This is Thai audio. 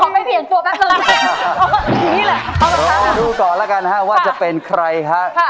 มาดูก่อนละกันว่าจะเป็นใครครับ